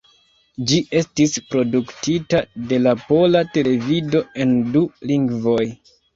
Ĝi estis produktita de la Pola Televido en du lingvoj.